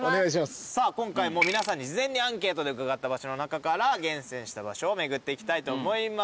さあ今回も皆さんに事前にアンケートで伺った場所の中から厳選した場所を巡っていきたいと思います。